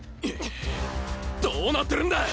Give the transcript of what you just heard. どうなってるんだ！